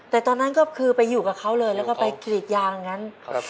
แต่ตอนนั้นก็คือไปอยู่กับเขาเลยแล้วก็ไปกรีดยางอย่างนั้น